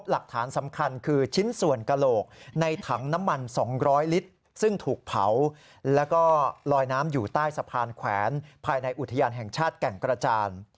แล้วก็ลอยน้ำอยู่ใต้สะพานแขวนภายในอุทยานแห่งชาติแก่งกระจาน